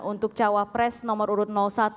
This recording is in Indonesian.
untuk cawa pres nomor urut satu